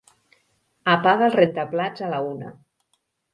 Apaga el rentaplats a la una.